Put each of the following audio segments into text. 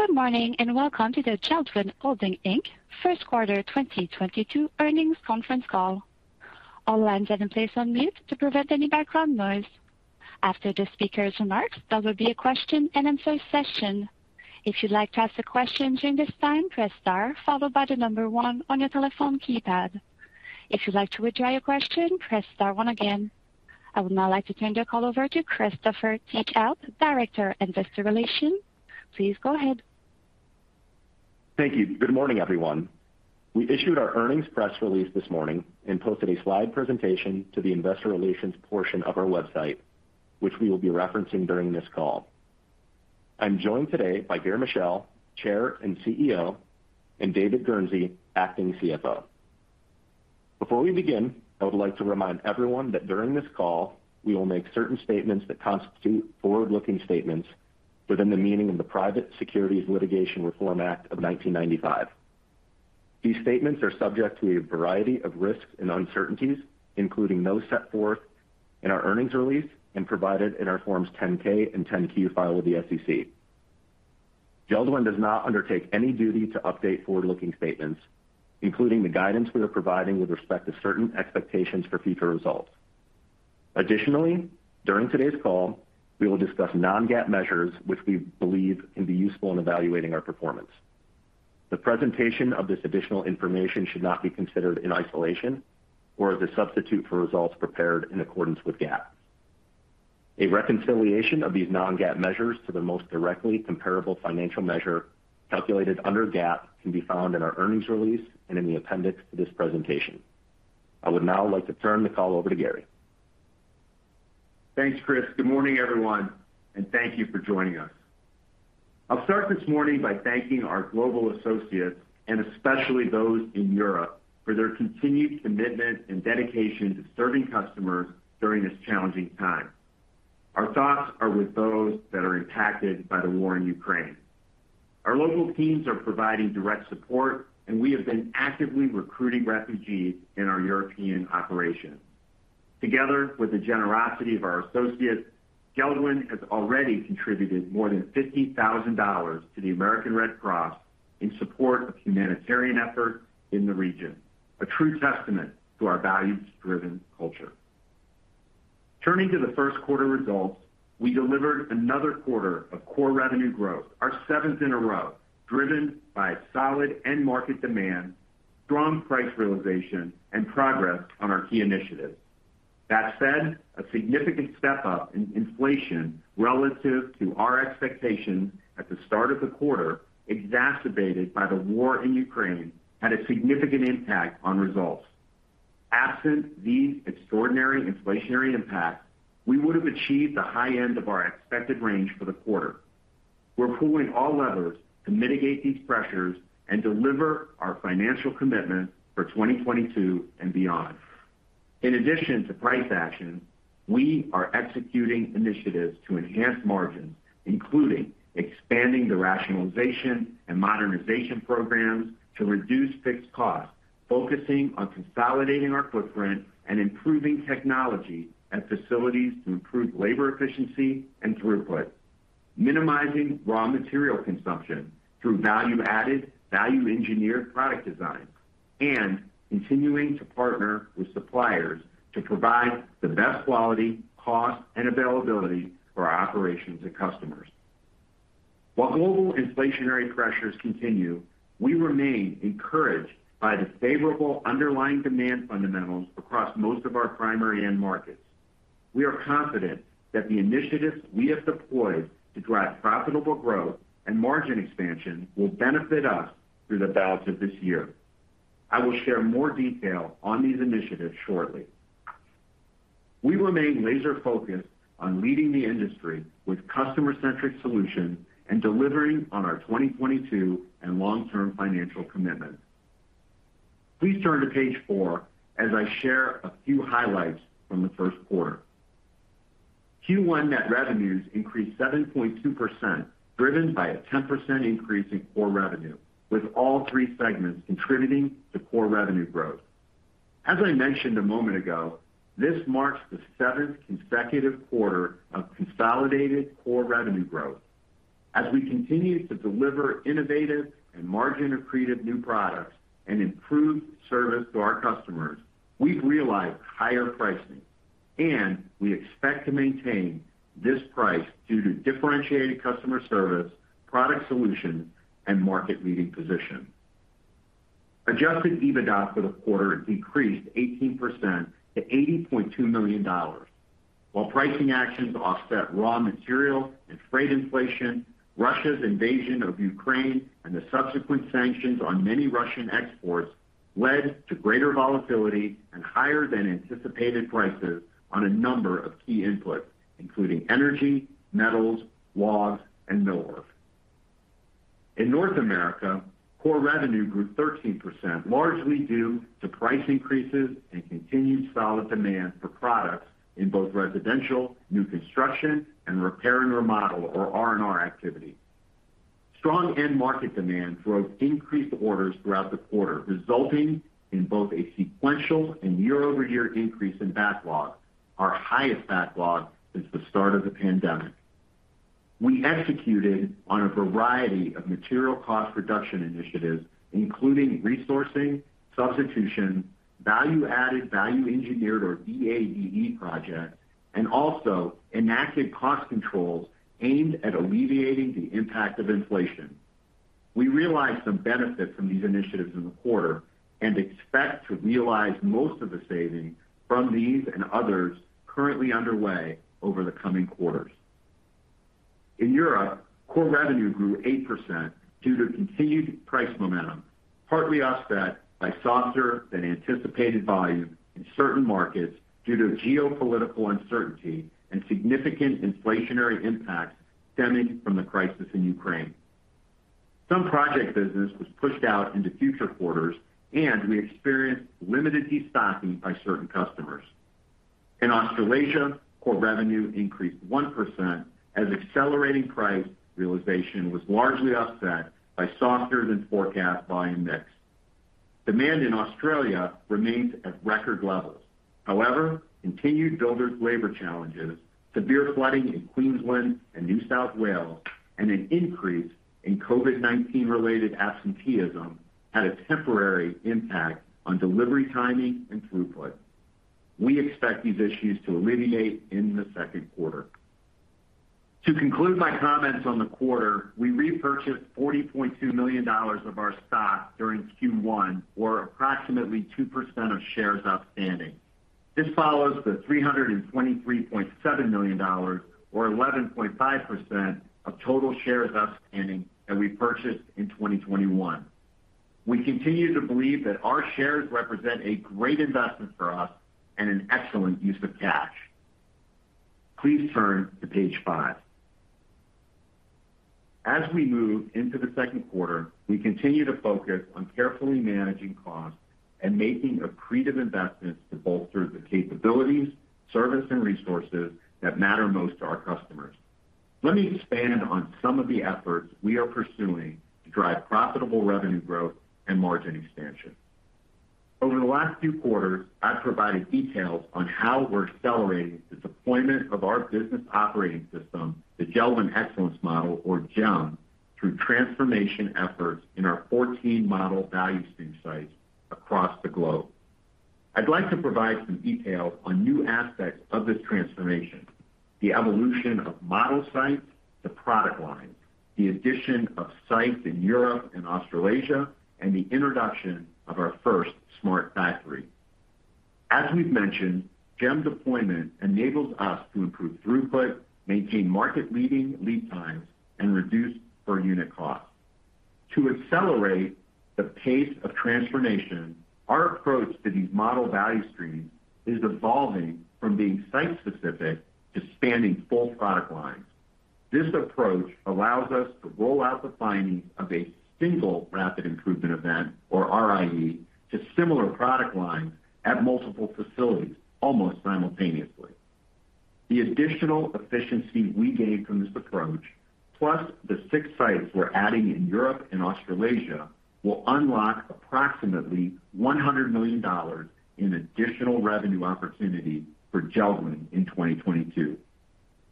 Good morning, and welcome to the JELD-WEN Holding, Inc. first quarter 2022 earnings conference call. All lines have been placed on mute to prevent any background noise. After the speaker's remarks, there will be a question-and-answer session. If you'd like to ask a question during this time, press star followed by the number one on your telephone keypad. If you'd like to withdraw your question, press star one again. I would now like to turn the call over to Christopher Teachout, Director, Investor Relations. Please go ahead. Thank you. Good morning, everyone. We issued our earnings press release this morning and posted a slide presentation to the investor relations portion of our website, which we will be referencing during this call. I'm joined today by Gary Michel, Chair and CEO, and David Guernsey, Acting CFO. Before we begin, I would like to remind everyone that during this call, we will make certain statements that constitute forward-looking statements within the meaning of the Private Securities Litigation Reform Act of 1995. These statements are subject to a variety of risks and uncertainties, including those set forth in our earnings release and provided in our forms 10-K and 10-Q filed with the SEC. JELD-WEN does not undertake any duty to update forward-looking statements, including the guidance we are providing with respect to certain expectations for future results. Additionally, during today's call, we will discuss non-GAAP measures which we believe can be useful in evaluating our performance. The presentation of this additional information should not be considered in isolation or as a substitute for results prepared in accordance with GAAP. A reconciliation of these non-GAAP measures to the most directly comparable financial measure calculated under GAAP can be found in our earnings release and in the appendix to this presentation. I would now like to turn the call over to Gary. Thanks, Chris. Good morning, everyone, and thank you for joining us. I'll start this morning by thanking our global associates, and especially those in Europe, for their continued commitment and dedication to serving customers during this challenging time. Our thoughts are with those that are impacted by the war in Ukraine. Our local teams are providing direct support, and we have been actively recruiting refugees in our European operations. Together with the generosity of our associates, JELD-WEN has already contributed more than $50,000 to the American Red Cross in support of humanitarian efforts in the region, a true testament to our values-driven culture. Turning to the first quarter results, we delivered another quarter of core revenue growth, our seventh in a row, driven by solid end market demand, strong price realization, and progress on our key initiatives. That said, a significant step-up in inflation relative to our expectations at the start of the quarter, exacerbated by the war in Ukraine, had a significant impact on results. Absent these extraordinary inflationary impacts, we would have achieved the high end of our expected range for the quarter. We're pulling all levers to mitigate these pressures and deliver our financial commitments for 2022 and beyond. In addition to price action, we are executing initiatives to enhance margins, including expanding the rationalization and modernization programs to reduce fixed costs, focusing on consolidating our footprint and improving technology and facilities to improve labor efficiency and throughput, minimizing raw material consumption through value-added, value-engineered product design, and continuing to partner with suppliers to provide the best quality, cost, and availability for our operations and customers. While global inflationary pressures continue, we remain encouraged by the favorable underlying demand fundamentals across most of our primary end markets. We are confident that the initiatives we have deployed to drive profitable growth and margin expansion will benefit us through the balance of this year. I will share more detail on these initiatives shortly. We remain laser-focused on leading the industry with customer-centric solutions and delivering on our 2022 and long-term financial commitments. Please turn to page four as I share a few highlights from the first quarter. Q1 net revenues increased 7.2%, driven by a 10% increase in core revenue, with all three segments contributing to core revenue growth. As I mentioned a moment ago, this marks the seventh consecutive quarter of consolidated core revenue growth. As we continue to deliver innovative and margin-accretive new products and improved service to our customers, we've realized higher pricing, and we expect to maintain this price due to differentiated customer service, product solutions, and market-leading position. Adjusted EBITDA for the quarter decreased 18% to $80.2 million. While pricing actions offset raw material and freight inflation, Russia's invasion of Ukraine and the subsequent sanctions on many Russian exports led to greater volatility and higher than anticipated prices on a number of key inputs, including energy, metals, logs, and millwork. In North America, core revenue grew 13%, largely due to price increases and continued solid demand for products in both residential, new construction, and repair and remodel or R&R activity. Strong end market demand drove increased orders throughout the quarter, resulting in both a sequential and year-over-year increase in backlog, our highest backlog since the start of the pandemic. We executed on a variety of material cost reduction initiatives, including resourcing, substitution, value-added, value-engineered, or VAVE projects, and also enacted cost controls aimed at alleviating the impact of inflation. We realized some benefit from these initiatives in the quarter and expect to realize most of the savings from these and others currently underway over the coming quarters. In Europe, core revenue grew 8% due to continued price momentum, partly offset by softer than anticipated volume in certain markets due to geopolitical uncertainty and significant inflationary impacts stemming from the crisis in Ukraine. Some project business was pushed out into future quarters, and we experienced limited destocking by certain customers. In Australasia, core revenue increased 1% as accelerating price realization was largely offset by softer than forecast volume mix. Demand in Australia remains at record levels. However, continued builders labor challenges, severe flooding in Queensland and New South Wales, and an increase in COVID-19 related absenteeism had a temporary impact on delivery timing and throughput. We expect these issues to alleviate in the second quarter. To conclude my comments on the quarter, we repurchased $40.2 million of our stock during Q1, or approximately 2% of shares outstanding. This follows the $323.7 million or 11.5% of total shares outstanding that we purchased in 2021. We continue to believe that our shares represent a great investment for us and an excellent use of cash. Please turn to page five. As we move into the second quarter, we continue to focus on carefully managing costs and making accretive investments to bolster the capabilities, service, and resources that matter most to our customers. Let me expand on some of the efforts we are pursuing to drive profitable revenue growth and margin expansion. Over the last few quarters, I've provided details on how we're accelerating the deployment of our business operating system, the JELD-WEN Excellence Model, or JEM, through transformation efforts in our 14 model value stream sites across the globe. I'd like to provide some detail on new aspects of this transformation, the evolution of model sites to product lines, the addition of sites in Europe and Australasia, and the introduction of our first smart factory. As we've mentioned, JEM deployment enables us to improve throughput, maintain market-leading lead times, and reduce per unit cost. To accelerate the pace of transformation, our approach to these model value streams is evolving from being site-specific to spanning full product lines. This approach allows us to roll out the findings of a single rapid improvement event, or RIE, to similar product lines at multiple facilities almost simultaneously. The additional efficiency we gain from this approach, plus the six sites we're adding in Europe and Australasia, will unlock approximately $100 million in additional revenue opportunity for JELD-WEN in 2022.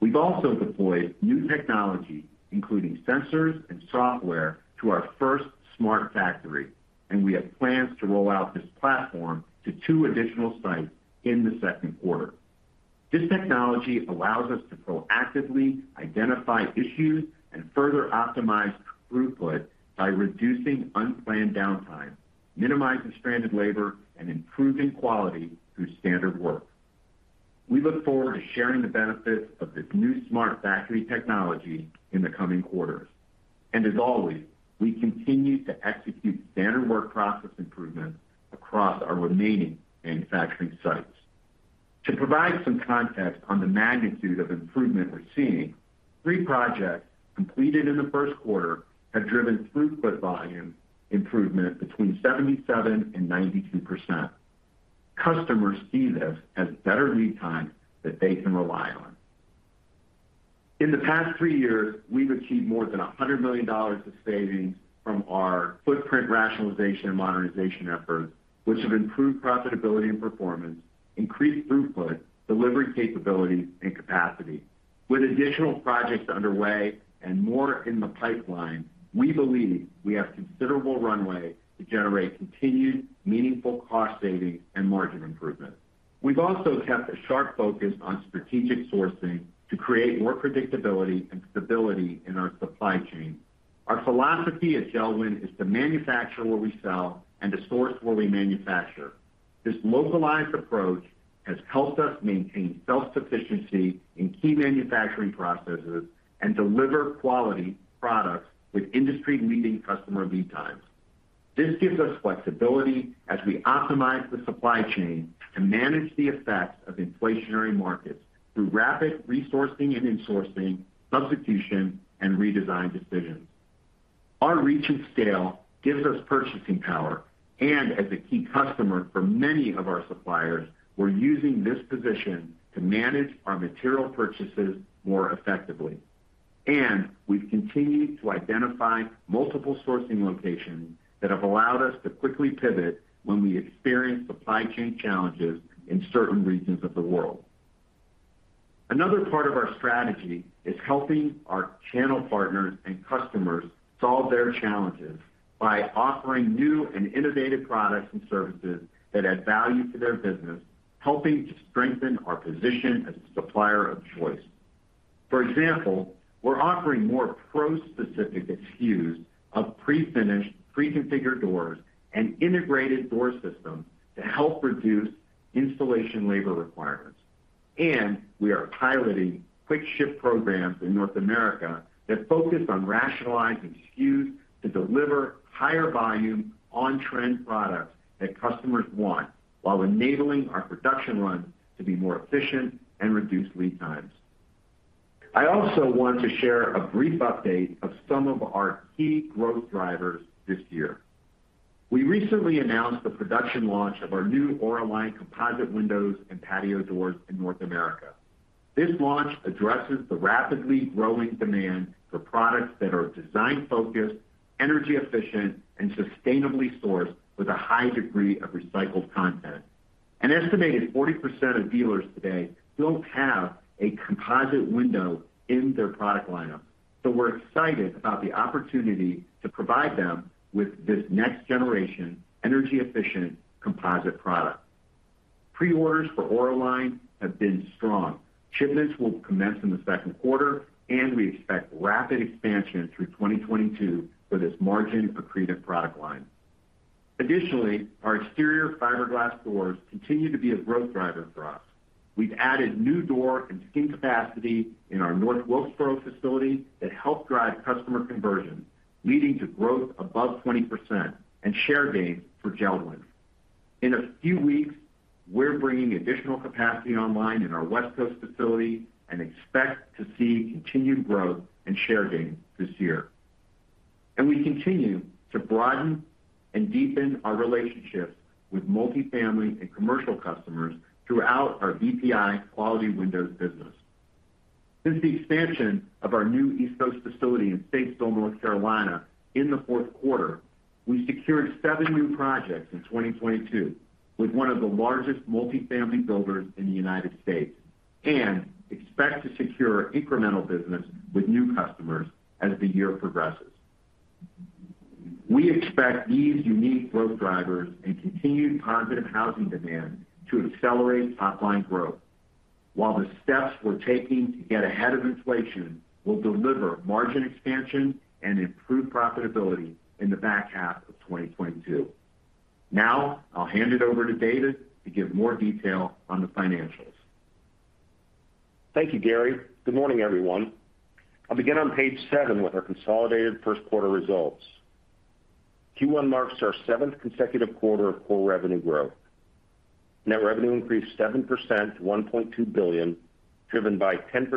We've also deployed new technology, including sensors and software, to our first smart factory, and we have plans to roll out this platform to two additional sites in the second quarter. This technology allows us to proactively identify issues and further optimize throughput by reducing unplanned downtime, minimizing stranded labor, and improving quality through standard work. We look forward to sharing the benefits of this new smart factory technology in the coming quarters. As always, we continue to execute standard work process improvements across our remaining manufacturing sites. To provide some context on the magnitude of improvement we're seeing, three projects completed in the first quarter have driven throughput volume improvement between 77%-92%. Customers see this as better lead time that they can rely on. In the past three years, we've achieved more than $100 million of savings from our footprint rationalization and modernization efforts, which have improved profitability and performance, increased throughput, delivery capabilities, and capacity. With additional projects underway and more in the pipeline, we believe we have considerable runway to generate continued meaningful cost savings and margin improvement. We've also kept a sharp focus on strategic sourcing to create more predictability and stability in our supply chain. Our philosophy at JELD-WEN is to manufacture where we sell and to source where we manufacture. This localized approach has helped us maintain self-sufficiency in key manufacturing processes and deliver quality products with industry-leading customer lead times. This gives us flexibility as we optimize the supply chain to manage the effects of inflationary markets through rapid resourcing and insourcing, substitution, and redesign decisions. Our reach and scale gives us purchasing power, and as a key customer for many of our suppliers, we're using this position to manage our material purchases more effectively. We've continued to identify multiple sourcing locations that have allowed us to quickly pivot when we experience supply chain challenges in certain regions of the world. Another part of our strategy is helping our channel partners and customers solve their challenges by offering new and innovative products and services that add value to their business, helping to strengthen our position as a supplier of choice. For example, we're offering more pro-specific SKUs of pre-finished, pre-configured doors and integrated door systems to help reduce installation labor requirements. We are piloting quick ship programs in North America that focus on rationalizing SKUs to deliver higher volume on trend products that customers want while enabling our production runs to be more efficient and reduce lead times. I also want to share a brief update of some of our key growth drivers this year. We recently announced the production launch of our new Auraline composite windows and patio doors in North America. This launch addresses the rapidly growing demand for products that are design-focused, energy efficient, and sustainably sourced with a high degree of recycled content. An estimated 40% of dealers today don't have a composite window in their product lineup, so we're excited about the opportunity to provide them with this next-generation, energy-efficient composite product. Pre-orders for Auraline have been strong. Shipments will commence in the second quarter, and we expect rapid expansion through 2022 for this margin-accretive product line. Additionally, our exterior fiberglass doors continue to be a growth driver for us. We've added new door and skin capacity in our North Wilkesboro facility that help drive customer conversion, leading to growth above 20% and share gains for JELD-WEN. In a few weeks, we're bringing additional capacity online in our West Coast facility and expect to see continued growth and share gains this year. We continue to broaden and deepen our relationships with multifamily and commercial customers throughout our VPI Quality Windows business. Since the expansion of our new East Coast facility in Statesville, North Carolina, in the fourth quarter, we secured seven new projects in 2022 with one of the largest multifamily builders in the United States and expect to secure incremental business with new customers as the year progresses. We expect these unique growth drivers and continued positive housing demand to accelerate top-line growth, while the steps we're taking to get ahead of inflation will deliver margin expansion and improved profitability in the back half of 2022. Now, I'll hand it over to David to give more detail on the financials. Thank you, Gary. Good morning, everyone. I'll begin on page seven with our consolidated first quarter results. Q1 marks our seventh consecutive quarter of core revenue growth. Net revenue increased 7% to $1.2 billion, driven by 10%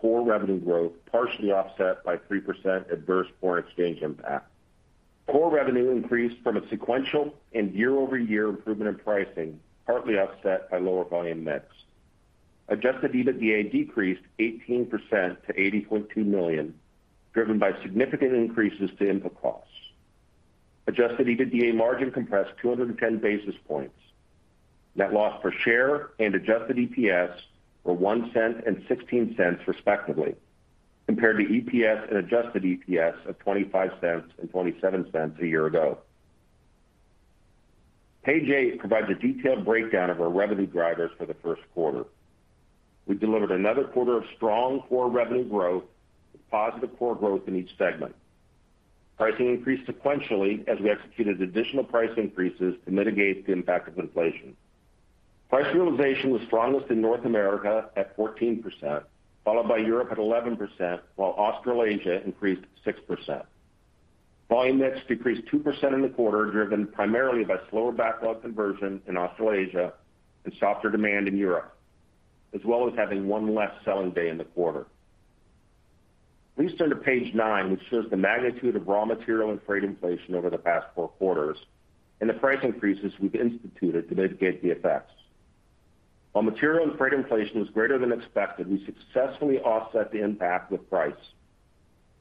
core revenue growth, partially offset by 3% adverse foreign exchange impact. Core revenue increased from a sequential and year-over-year improvement in pricing, partly offset by lower volume mix. Adjusted EBITDA decreased 18% to $80.2 million, driven by significant increases to input costs. Adjusted EBITDA margin compressed 210 basis points. Net loss per share and adjusted EPS were $0.01 and $0.16 respectively, compared to EPS and adjusted EPS of $0.25 and $0.27 a year ago. Page eight provides a detailed breakdown of our revenue drivers for the first quarter. We delivered another quarter of strong core revenue growth with positive core growth in each segment. Pricing increased sequentially as we executed additional price increases to mitigate the impact of inflation. Price realization was strongest in North America at 14%, followed by Europe at 11%, while Australasia increased 6%. Volume mix decreased 2% in the quarter, driven primarily by slower backlog conversion in Australasia and softer demand in Europe, as well as having one less selling day in the quarter. Please turn to page 9, which shows the magnitude of raw material and freight inflation over the past four quarters and the price increases we've instituted to mitigate the effects. While material and freight inflation was greater than expected, we successfully offset the impact with price.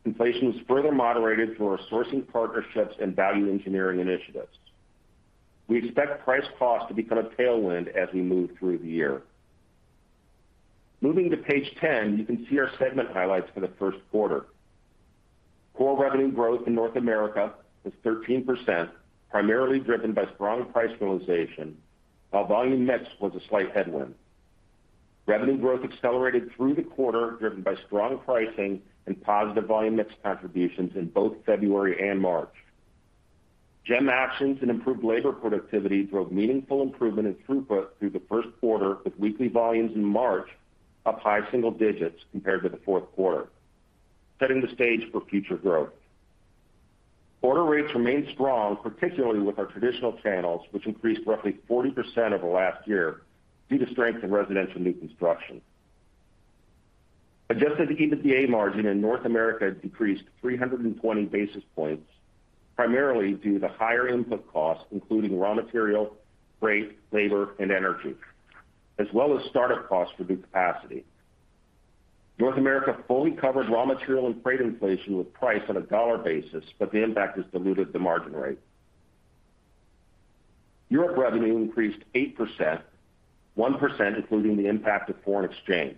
Inflation was further moderated through our sourcing partnerships and value engineering initiatives. We expect price cost to become a tailwind as we move through the year. Moving to page 10, you can see our segment highlights for the first quarter. Core revenue growth in North America was 13%, primarily driven by strong price realization, while volume mix was a slight headwind. Revenue growth accelerated through the quarter, driven by strong pricing and positive volume mix contributions in both February and March. JEM actions and improved labor productivity drove meaningful improvement in throughput through the first quarter, with weekly volumes in March up high single digits compared to the fourth quarter, setting the stage for future growth. Order rates remained strong, particularly with our traditional channels, which increased roughly 40% over last year due to strength in residential new construction. Adjusted EBITDA margin in North America decreased 320 basis points, primarily due to the higher input costs, including raw material, freight, labor, and energy, as well as start-up costs for new capacity. North America fully covered raw material and freight inflation with price on a dollar basis, but the impact has diluted the margin rate. Europe revenue increased 8%, 1% including the impact of foreign exchange.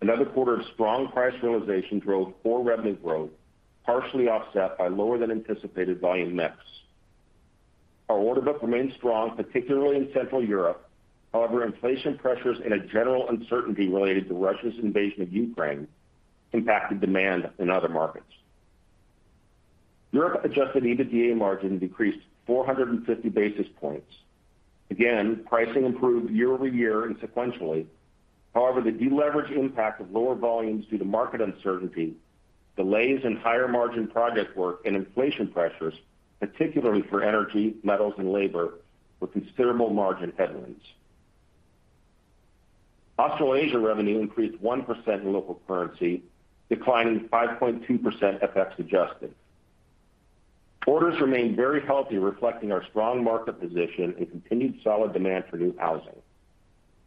Another quarter of strong price realization drove core revenue growth, partially offset by lower than anticipated volume mix. Our order book remains strong, particularly in Central Europe. However, inflation pressures and a general uncertainty related to Russia's invasion of Ukraine impacted demand in other markets. Europe adjusted EBITDA margin decreased 450 basis points. Again, pricing improved year-over-year and sequentially. However, the deleverage impact of lower volumes due to market uncertainty, delays in higher margin project work and inflation pressures, particularly for energy, metals and labor, were considerable margin headwinds. Australasia revenue increased 1% in local currency, declining 5.2% FX-adjusted. Orders remained very healthy, reflecting our strong market position and continued solid demand for new housing.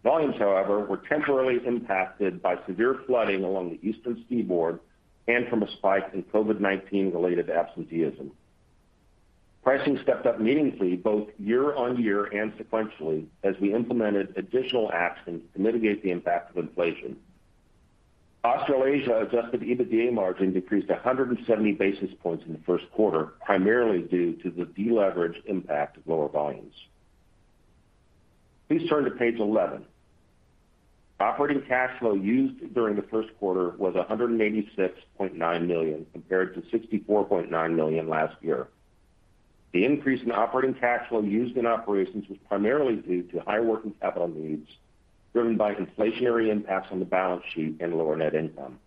Volumes, however, were temporarily impacted by severe flooding along the eastern seaboard and from a spike in COVID-19 related absenteeism. Pricing stepped up meaningfully both year-on-year and sequentially as we implemented additional actions to mitigate the impact of inflation. Australasia adjusted EBITDA margin decreased 170 basis points in the first quarter, primarily due to the deleverage impact of lower volumes. Please turn to page 11. Operating cash flow used during the first quarter was $186.9 million, compared to $64.9 million last year. The increase in operating cash flow used in operations was primarily due to higher working capital needs, driven by inflationary impacts on the balance sheet and lower net income.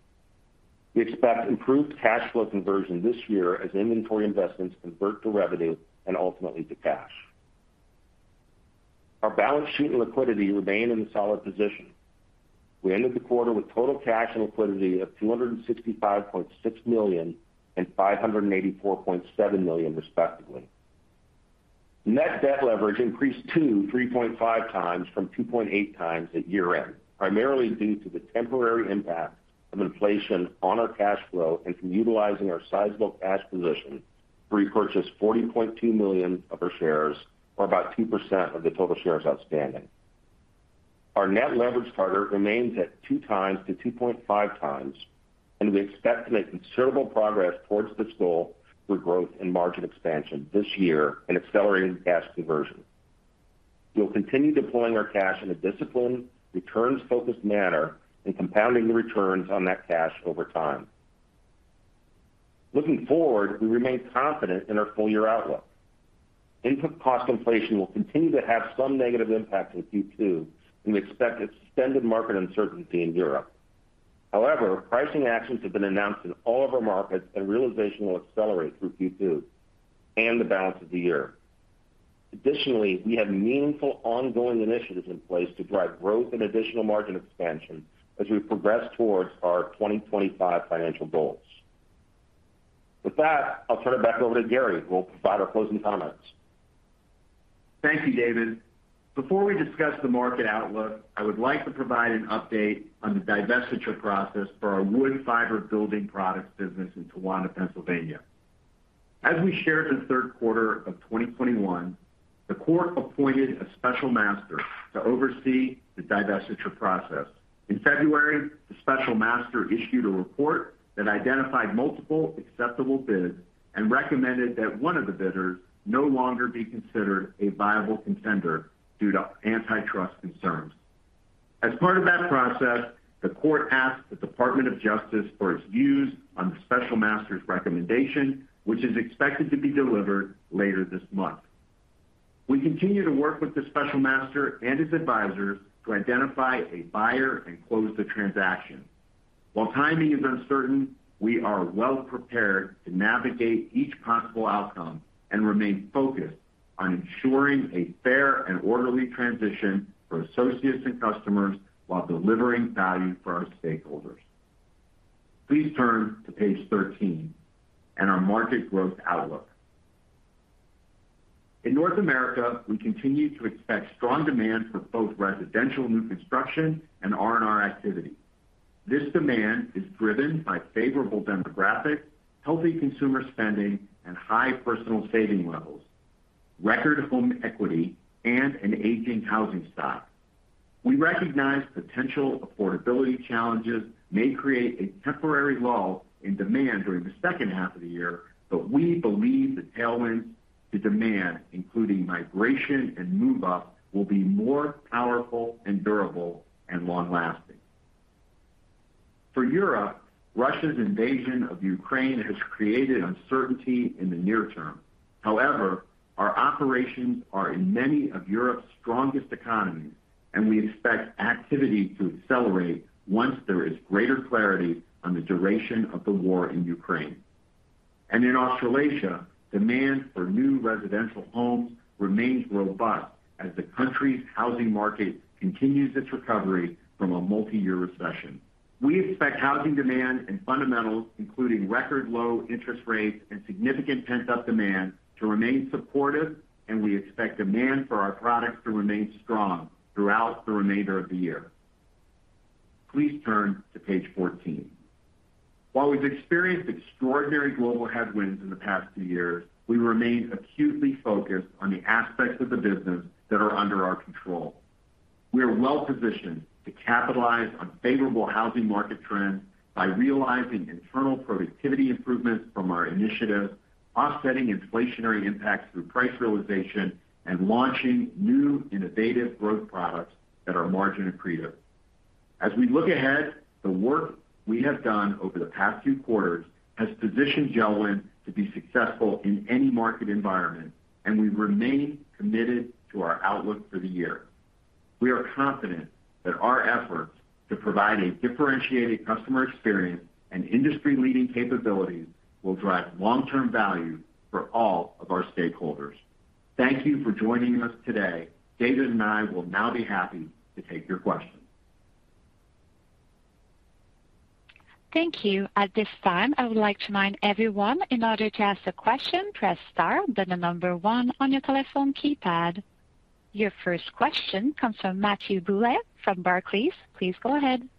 We expect improved cash flow conversion this year as inventory investments convert to revenue and ultimately to cash. Our balance sheet and liquidity remain in a solid position. We ended the quarter with total cash and liquidity of $265.6 million and $584.7 million, respectively. Net debt leverage increased to 3.5x from 2.8x at year-end, primarily due to the temporary impact of inflation on our cash flow and from utilizing our sizable cash position to repurchase 40.2 million of our shares, or about 2% of the total shares outstanding. Our net leverage charter remains at 2x-2.5x, and we expect to make considerable progress towards this goal through growth and margin expansion this year and accelerating cash conversion. We'll continue deploying our cash in a disciplined, returns-focused manner and compounding the returns on that cash over time. Looking forward, we remain confident in our full-year outlook. Input cost inflation will continue to have some negative impact in Q2, and we expect extended market uncertainty in Europe. However, pricing actions have been announced in all of our markets and realization will accelerate through Q2 and the balance of the year. Additionally, we have meaningful ongoing initiatives in place to drive growth and additional margin expansion as we progress towards our 2025 financial goals. With that, I'll turn it back over to Gary, who will provide our closing comments. Thank you, David. Before we discuss the market outlook, I would like to provide an update on the divestiture process for our Wood Fiber Building Products business in Towanda, Pennsylvania. As we shared in the third quarter of 2021, the court appointed a special master to oversee the divestiture process. In February, the special master issued a report that identified multiple acceptable bids and recommended that one of the bidders no longer be considered a viable contender due to antitrust concerns. As part of that process, the court asked the Department of Justice for its views on the special master's recommendation, which is expected to be delivered later this month. We continue to work with the special master and his advisors to identify a buyer and close the transaction. While timing is uncertain, we are well-prepared to navigate each possible outcome and remain focused on ensuring a fair and orderly transition for associates and customers while delivering value for our stakeholders. Please turn to page 13 and our market growth outlook. In North America, we continue to expect strong demand for both residential new construction and R&R activity. This demand is driven by favorable demographics, healthy consumer spending and high personal saving levels, record home equity and an aging housing stock. We recognize potential affordability challenges may create a temporary lull in demand during the second half of the year, but we believe the tailwinds to demand, including migration and move-up, will be more powerful and durable and long-lasting. For Europe, Russia's invasion of Ukraine has created uncertainty in the near term. However, our operations are in many of Europe's strongest economies, and we expect activity to accelerate once there is greater clarity on the duration of the war in Ukraine. In Australasia, demand for new residential homes remains robust as the country's housing market continues its recovery from a multi-year recession. We expect housing demand and fundamentals, including record low interest rates and significant pent-up demand, to remain supportive, and we expect demand for our products to remain strong throughout the remainder of the year. Please turn to page 14. While we've experienced extraordinary global headwinds in the past two years, we remain acutely focused on the aspects of the business that are under our control. We are well positioned to capitalize on favorable housing market trends by realizing internal productivity improvements from our initiative, offsetting inflationary impacts through price realization, and launching new innovative growth products that are margin accretive. As we look ahead, the work we have done over the past few quarters has positioned JELD-WEN to be successful in any market environment, and we remain committed to our outlook for the year. We are confident that our efforts to provide a differentiated customer experience and industry-leading capabilities will drive long-term value for all of our stakeholders. Thank you for joining us today. David and I will now be happy to take your questions. Thank you. At this time, I would like to remind everyone in order to ask a question, press star then the number one on your telephone keypad. Your first question comes from Matthew Bouley from Barclays. Please go ahead.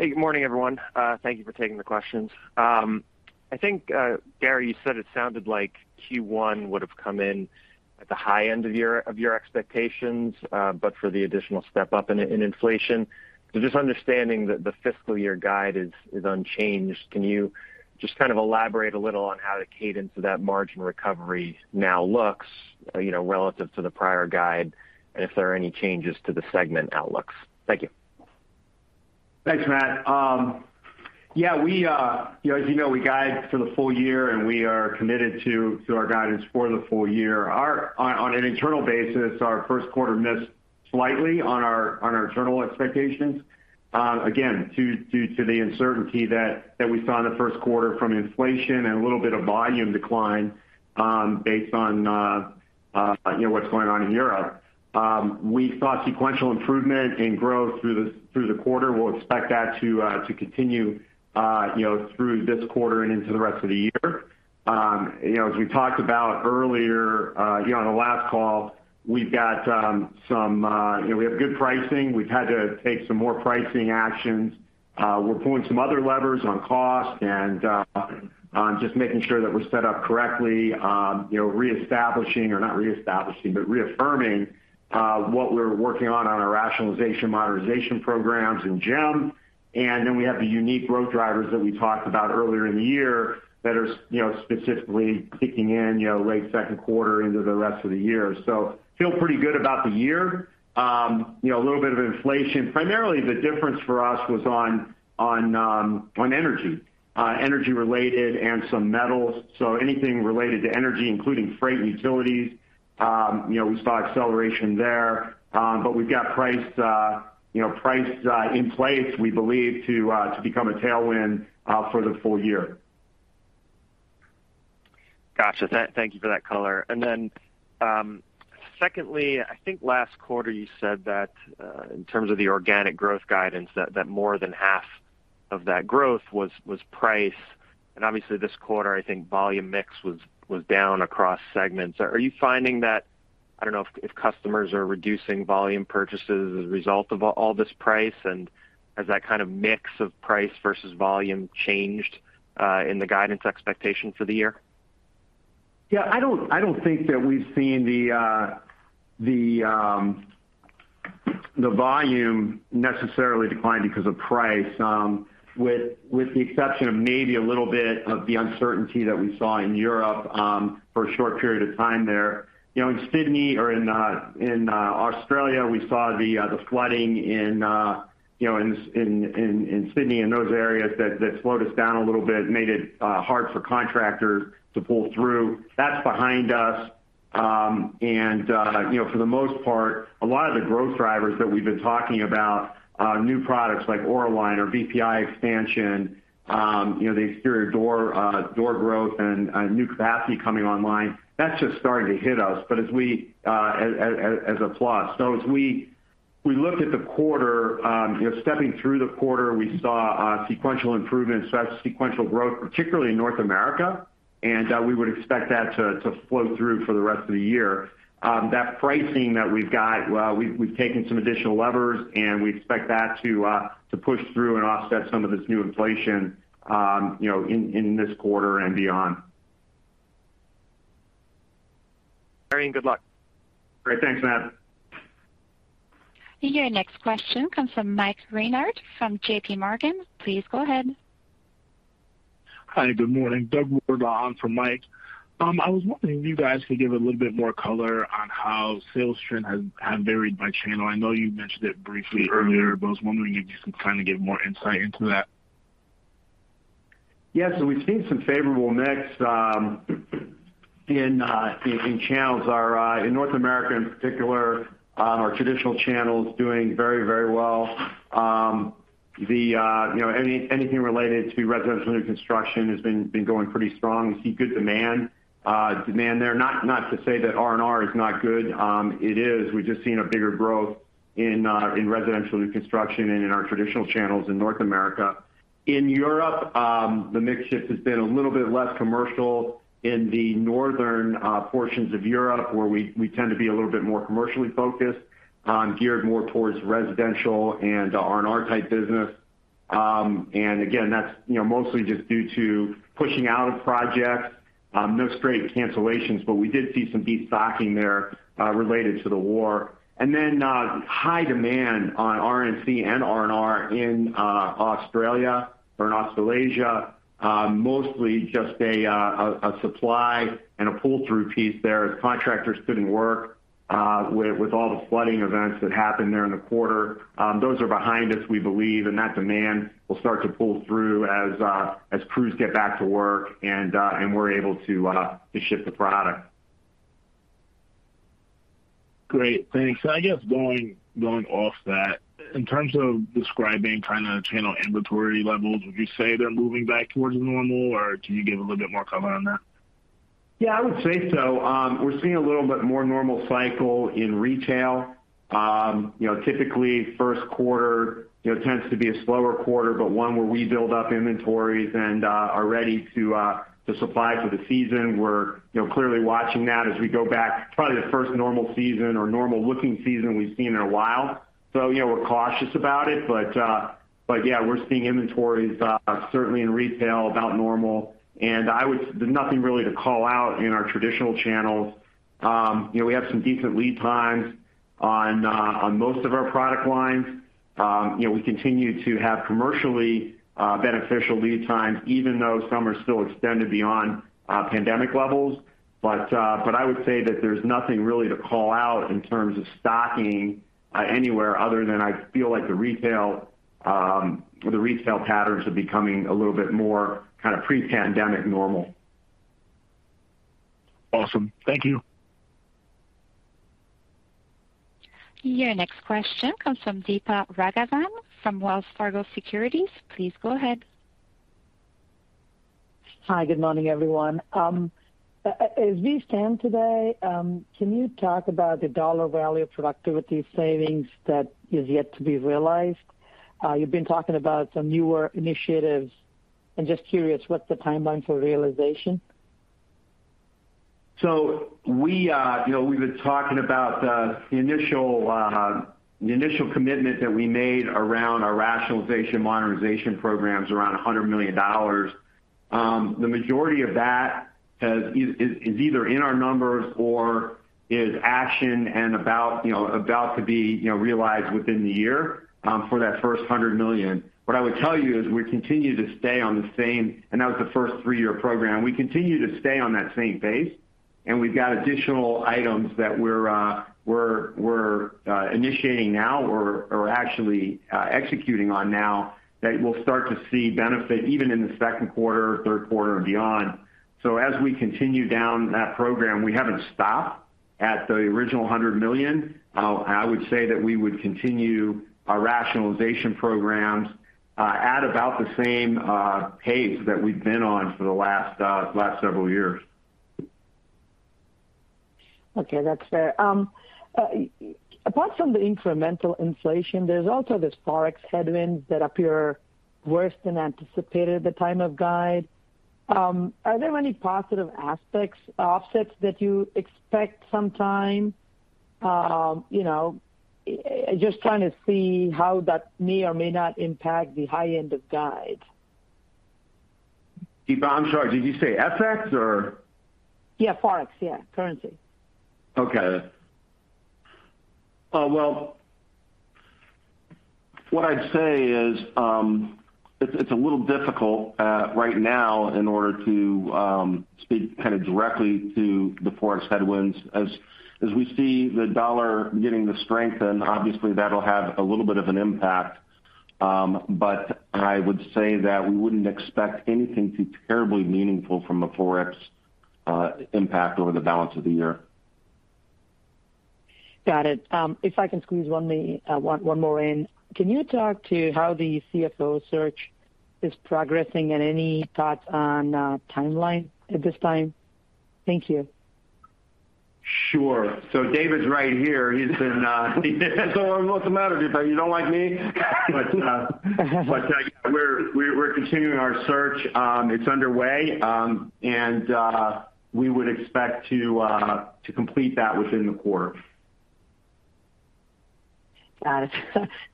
Hey, good morning, everyone. Thank you for taking the questions. I think, Gary, you said it sounded like Q1 would have come in at the high end of your expectations, but for the additional step up in inflation. Just understanding that the fiscal year guide is unchanged, can you just kind of elaborate a little on how the cadence of that margin recovery now looks, you know, relative to the prior guide and if there are any changes to the segment outlooks? Thank you. Thanks, Matt. Yeah, we, you know, as you know, we guide for the full year and we are committed to our guidance for the full year. On an internal basis, our first quarter missed slightly on our internal expectations, again, due to the uncertainty that we saw in the first quarter from inflation and a little bit of volume decline, based on, you know, what's going on in Europe. We saw sequential improvement in growth through the quarter. We'll expect that to continue, you know, through this quarter and into the rest of the year. You know, as we talked about earlier, you know, on the last call, we've got, some, you know, we have good pricing. We've had to take some more pricing actions. We're pulling some other levers on cost and just making sure that we're set up correctly, you know, reestablishing or not reestablishing, but reaffirming what we're working on our rationalization, modernization programs in JEM. We have the unique growth drivers that we talked about earlier in the year that are specifically kicking in, you know, late second quarter into the rest of the year. Feel pretty good about the year. You know, a little bit of inflation. Primarily the difference for us was on energy. Energy related and some metals. Anything related to energy, including freight and utilities, you know, we saw acceleration there. We've got price, you know, price in place we believe to become a tailwind for the full year. Gotcha. Thank you for that color. Then, secondly, I think last quarter you said that in terms of the organic growth guidance, that more than half of that growth was price. Obviously this quarter, I think volume mix was down across segments. Are you finding that? I don't know if customers are reducing volume purchases as a result of all this price, and has that kind of mix of price versus volume changed in the guidance expectation for the year? Yeah, I don't think that we've seen the volume necessarily decline because of price, with the exception of maybe a little bit of the uncertainty that we saw in Europe, for a short period of time there. You know, in Sydney or in Australia, we saw the flooding, you know, in Sydney and those areas that slowed us down a little bit, made it hard for contractors to pull through. That's behind us. For the most part, a lot of the growth drivers that we've been talking about, new products like Auraline or VPI expansion, you know, the exterior door growth and new capacity coming online, that's just starting to hit us. As we looked at the quarter, you know, stepping through the quarter, we saw sequential improvement, sequential growth, particularly in North America, and we would expect that to flow through for the rest of the year. That pricing that we've got, well, we've taken some additional levers, and we expect that to push through and offset some of this new inflation, you know, in this quarter and beyond. Very good luck. Great. Thanks, Matt. Your next question comes from Mike Reinhart from JPMorgan. Please go ahead. Hi, good morning. Doug Weidner on for Mike. I was wondering if you guys could give a little bit more color on how sales trend have varied by channel. I know you mentioned it briefly earlier, but I was wondering if you could kind of give more insight into that. Yeah. We've seen some favorable mix in channels. In North America in particular, our traditional channel is doing very, very well. You know, anything related to residential new construction has been going pretty strong. We see good demand there. Not to say that R&R is not good. It is. We've just seen a bigger growth in residential new construction and in our traditional channels in North America. In Europe, the mix shift has been a little bit less commercial in the northern portions of Europe where we tend to be a little bit more commercially focused, geared more towards residential and R&R type business. Again, that's you know, mostly just due to pushing out of projects. No straight cancellations, but we did see some destocking there related to the war. High demand on RNC and R&R in Australia or in Australasia, mostly just a supply and a pull-through piece there as contractors couldn't work with all the flooding events that happened there in the quarter. Those are behind us, we believe, and that demand will start to pull through as crews get back to work and we're able to ship the product. Great. Thanks. I guess going off that, in terms of describing kind of channel inventory levels, would you say they're moving back towards normal, or can you give a little bit more color on that? Yeah, I would say so. We're seeing a little bit more normal cycle in retail. You know, typically first quarter tends to be a slower quarter, but one where we build up inventories and are ready to supply for the season. We're, you know, clearly watching that as we go back. Probably the first normal season or normal looking season we've seen in a while. You know, we're cautious about it. But yeah, we're seeing inventories certainly in retail about normal. There's nothing really to call out in our traditional channels. You know, we have some decent lead times on most of our product lines. You know, we continue to have commercially beneficial lead times, even though some are still extended beyond pandemic levels. I would say that there's nothing really to call out in terms of stocking anywhere other than I feel like the retail patterns are becoming a little bit more kind of pre-pandemic normal. Awesome. Thank you. Your next question comes from Deepa Raghavan from Wells Fargo Securities. Please go ahead. Hi, good morning, everyone. As we stand today, can you talk about the dollar value of productivity savings that is yet to be realized? You've been talking about some newer initiatives, and just curious, what's the timeline for realization? We, you know, we've been talking about the initial commitment that we made around our rationalization modernization programs around $100 million. The majority of that is either in our numbers or is in action and about to be realized within the year, you know, for that first $100 million. What I would tell you is that was the first three-year program. We continue to stay on that same pace, and we've got additional items that we're initiating now or are actually executing on now that we'll start to see benefit even in the second quarter, third quarter and beyond. As we continue down that program, we haven't stopped at the original $100 million. I would say that we would continue our rationalization programs at about the same pace that we've been on for the last several years. Okay, that's fair. Apart from the incremental inflation, there's also this FX headwinds that appear worse than anticipated at the time of guide. Are there any positive aspects offsets that you expect sometime? You know, just trying to see how that may or may not impact the high end of guide. Deepa, I'm sorry. Did you say FX or? Yeah, Forex. Yeah, currency. Okay. Well, what I'd say is, it's a little difficult right now in order to speak kind of directly to the FX headwinds. As we see the dollar beginning to strengthen, obviously that'll have a little bit of an impact. I would say that we wouldn't expect anything too terribly meaningful from a FX impact over the balance of the year. Got it. If I can squeeze one more in. Can you talk about how the CFO search is progressing and any thoughts on timeline at this time? Thank you. Sure. David's right here. He's been. What's the matter, Deepa? You don't like me? We're continuing our search. It's underway. We would expect to complete that within the quarter. Got it.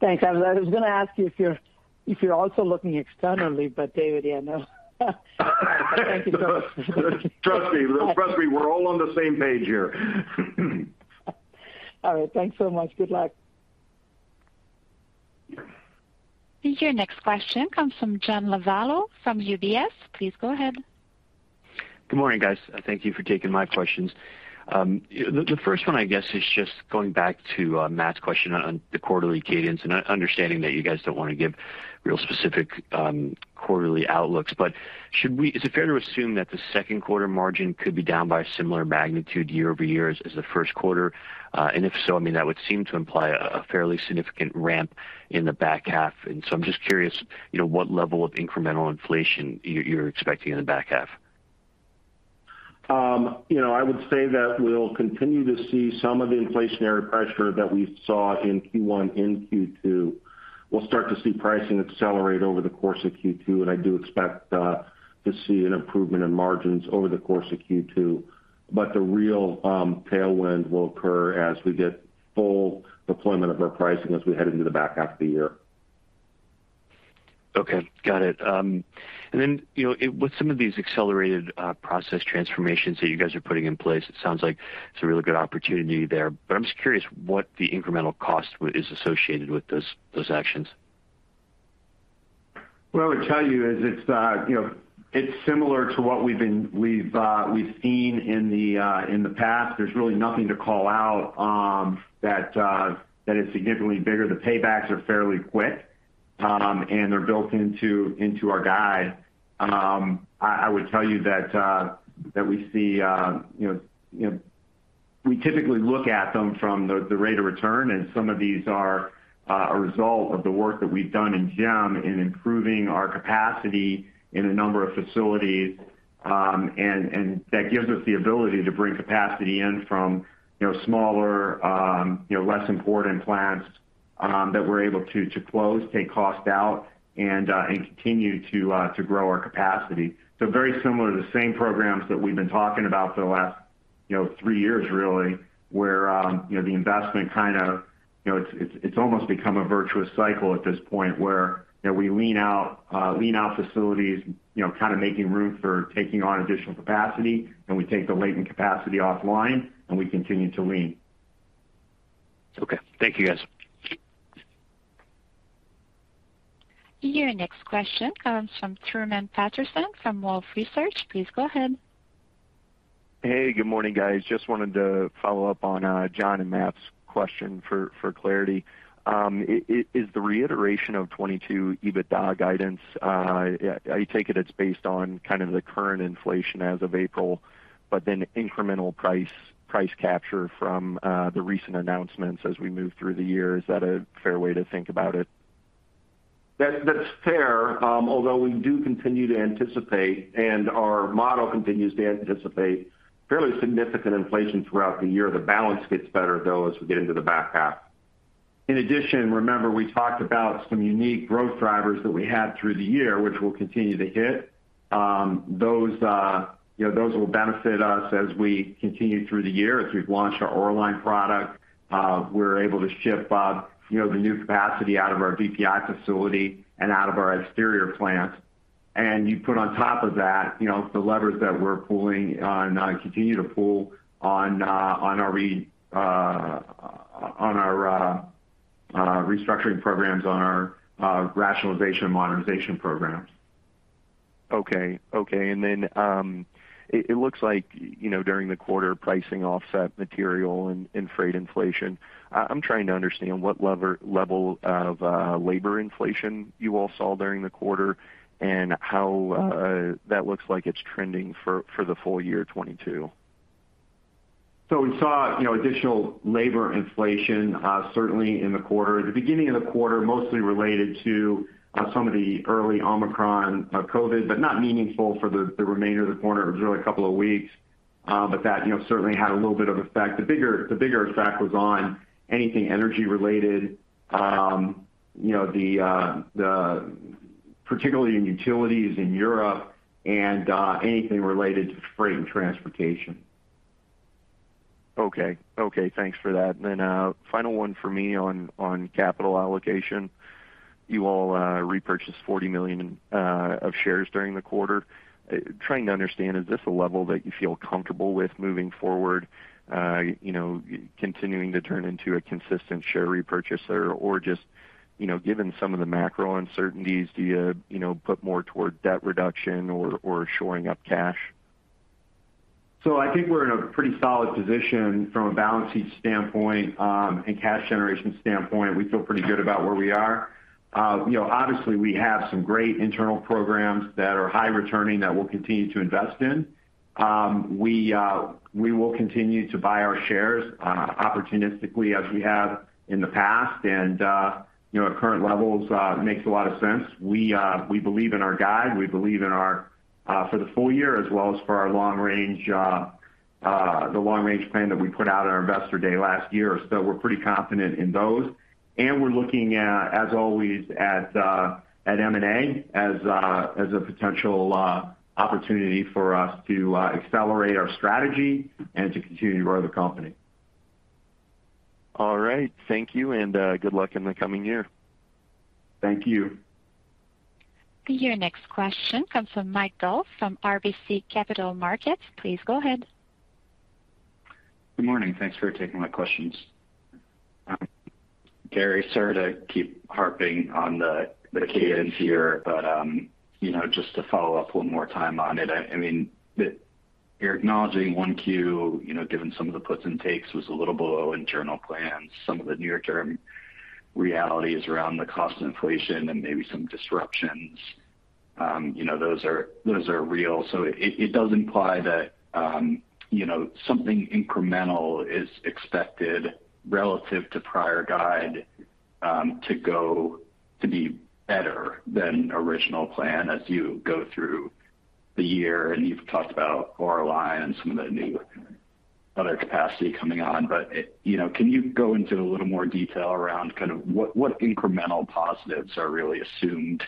Thanks. I was gonna ask you if you're also looking externally, but David, yeah, no. Thank you so much. Trust me, we're all on the same page here. All right. Thanks so much. Good luck. Your next question comes from John Lovallo from UBS. Please go ahead. Good morning, guys. Thank you for taking my questions. The first one, I guess, is just going back to Matt's question on the quarterly cadence and understanding that you guys don't wanna give real specific quarterly outlooks. But is it fair to assume that the second quarter margin could be down by a similar magnitude year-over-year as the first quarter? And if so, I mean, that would seem to imply a fairly significant ramp in the back half. I'm just curious, you know, what level of incremental inflation you're expecting in the back half? You know, I would say that we'll continue to see some of the inflationary pressure that we saw in Q1 in Q2. We'll start to see pricing accelerate over the course of Q2, and I do expect to see an improvement in margins over the course of Q2. The real tailwind will occur as we get full deployment of our pricing as we head into the back half of the year. Okay, got it. Then, you know, with some of these accelerated process transformations that you guys are putting in place, it sounds like it's a really good opportunity there. I'm just curious what the incremental cost is associated with those actions. What I would tell you is it's, you know, it's similar to what we've seen in the past. There's really nothing to call out that is significantly bigger. The paybacks are fairly quick, and they're built into our guide. I would tell you that we see, you know, we typically look at them from the rate of return, and some of these are a result of the work that we've done in JEM in improving our capacity in a number of facilities. That gives us the ability to bring capacity in from, you know, smaller, you know, less important plants that we're able to close, take cost out, and continue to grow our capacity. Very similar to the same programs that we've been talking about for the last, you know, three years really, where, you know, the investment kind of, you know, it's almost become a virtuous cycle at this point, where, you know, we lean out facilities, you know, kind of making room for taking on additional capacity, and we take the latent capacity offline, and we continue to lean. Okay, thank you, guys. Your next question comes from Truman Patterson from Wolfe Research. Please go ahead. Hey, good morning, guys. Just wanted to follow up on John and Matt's question for clarity. Is the reiteration of 2022 EBITDA guidance I take it it's based on kind of the current inflation as of April, but then incremental price capture from the recent announcements as we move through the year. Is that a fair way to think about it? That's fair. Although we do continue to anticipate and our model continues to anticipate fairly significant inflation throughout the year. The balance gets better, though, as we get into the back half. In addition, remember, we talked about some unique growth drivers that we had through the year, which we'll continue to hit. Those, you know, will benefit us as we continue through the year as we've launched our Auraline product. We're able to ship, you know, the new capacity out of our VPI facility and out of our exterior plant. You put on top of that, you know, the levers that we're pulling and continue to pull on our restructuring programs, on our rationalization and modernization programs. It looks like, you know, during the quarter, pricing offset material and freight inflation. I'm trying to understand what level of labor inflation you all saw during the quarter and how that looks like it's trending for the full year 2022. We saw, you know, additional labor inflation certainly in the quarter. The beginning of the quarter, mostly related to some of the early Omicron COVID, but not meaningful for the remainder of the quarter. It was really a couple of weeks, but that, you know, certainly had a little bit of effect. The bigger effect was on anything energy related, you know, particularly in utilities in Europe and anything related to freight and transportation. Okay. Okay, thanks for that. Final one for me on capital allocation. You all repurchased 40 million shares during the quarter. Trying to understand, is this a level that you feel comfortable with moving forward, you know, continuing to turn into a consistent share repurchaser? Or just, you know, given some of the macro uncertainties, do you know, put more toward debt reduction or shoring up cash? I think we're in a pretty solid position from a balance sheet standpoint, and cash generation standpoint. We feel pretty good about where we are. You know, obviously, we have some great internal programs that are high returning that we'll continue to invest in. We will continue to buy our shares opportunistically as we have in the past. You know, at current levels, it makes a lot of sense. We believe in our guide, we believe in our for the full year as well as for our long-range, the long-range plan that we put out at our Investor Day last year. We're pretty confident in those. We're looking at M&A, as always, as a potential opportunity for us to accelerate our strategy and to continue to grow the company. All right. Thank you, and good luck in the coming year. Thank you. Your next question comes from Mike Dahl from RBC Capital Markets. Please go ahead. Good morning. Thanks for taking my questions. Gary, sorry to keep harping on the cadence here, but you know, just to follow up one more time on it. I mean, you're acknowledging 1Q, you know, given some of the puts and takes was a little below internal plans, some of the near-term realities around the cost inflation and maybe some disruptions. You know, those are real. It does imply that you know, something incremental is expected relative to prior guide to be better than original plan as you go through the year, and you've talked about Auraline and some of the new other capacity coming on. You know, can you go into a little more detail around kind of what incremental positives are really assumed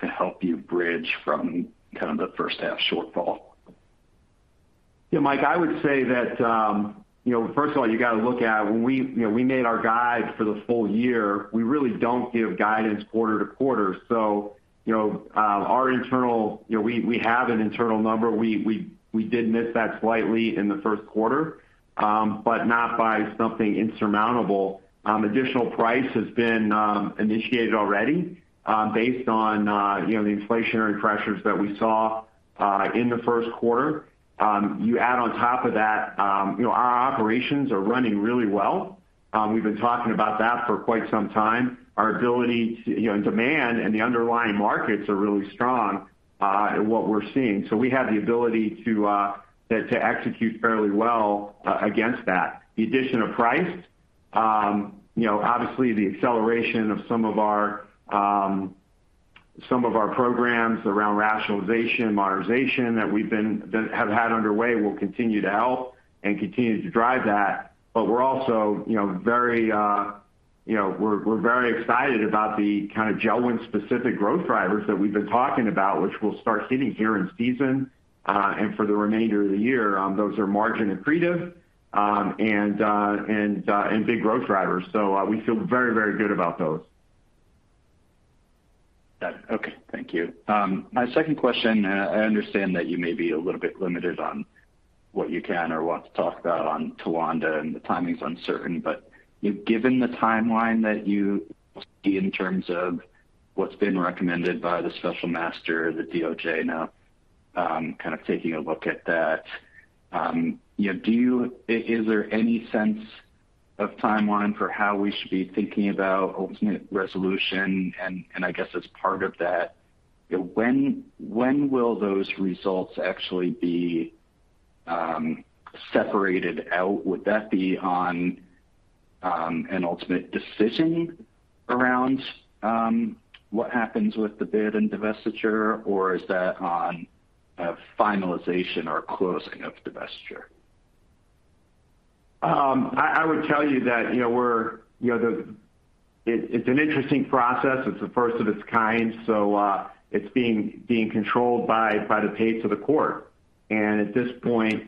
to help you bridge from kind of the first half shortfall? Yeah, Mike, I would say that, you know, first of all, you got to look at when we, you know, we made our guide for the full year, we really don't give guidance quarter to quarter. So, you know, our internal, you know, we did miss that slightly in the first quarter, but not by something insurmountable. Additional price has been initiated already, based on, you know, the inflationary pressures that we saw in the first quarter. You add on top of that, you know, our operations are running really well. We've been talking about that for quite some time. Our ability to, you know, and demand and the underlying markets are really strong in what we're seeing. We have the ability to execute fairly well against that. The addition of price, you know, obviously the acceleration of some of our programs around rationalization, modernization that we've had underway will continue to help and continue to drive that. We're also very excited about the kind of JELD-WEN specific growth drivers that we've been talking about, which we'll start seeing here in season and for the remainder of the year. Those are margin accretive and big growth drivers. We feel very good about those. Got it. Okay. Thank you. My second question, I understand that you may be a little bit limited on what you can or want to talk about on Towanda, and the timing's uncertain, but you know, given the timeline that you see in terms of what's been recommended by the special master, the DOJ now kind of taking a look at that, you know, is there any sense of timeline for how we should be thinking about ultimate resolution? And I guess as part of that, you know, when will those results actually be separated out? Would that be on an ultimate decision around what happens with the bid and divestiture, or is that on a finalization or closing of divestiture? I would tell you that, you know, we're, you know, it's an interesting process. It's the first of its kind. It's being controlled by the pace of the court. At this point,